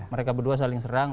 mereka berdua saling serang